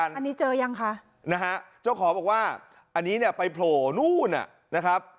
อันนี้เจอยังคะนะฮะเจ้าของบอกว่าอันนี้เนี่ยไปโผล่นู่นนะครับ